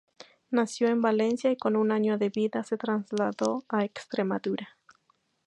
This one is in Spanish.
Nació en Valencia y con un año de vida se trasladó a Extremadura.